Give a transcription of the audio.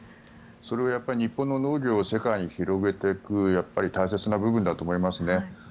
それは日本の農業を世界に広げていく大切な部分だと思いますね。